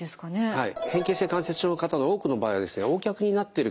はい。